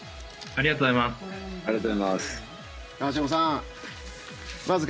ありがとうございます。